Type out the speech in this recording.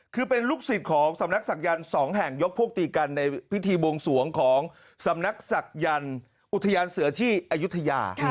คือเป็นลูกศิษย์ของสำนักศักยันต์๒แห่งยกพวกตีกันในพิธีบวงสวงของสำนักศักยันต์อุทยานเสือที่อายุทยา